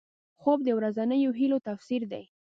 خوب د ورځنیو هیلو تفسیر دی